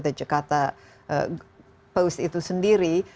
the jakarta post itu sendiri